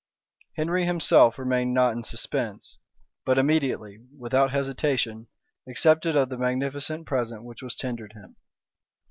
Henry himself remained not in suspense; but immediately, without hesitation, accepted of the magnificent present which was tendered him.